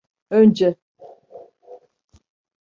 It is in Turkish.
Önce…